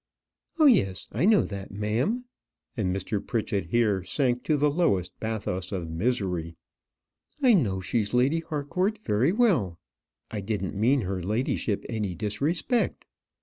"Oh, yes, I know that, ma'am," and Mr. Pritchett here sank to the lowest bathos of misery. "I know she's Lady Harcourt very well. I didn't mean her ladyship any disrespect."